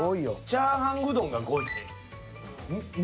チャーハンうどんが５位て。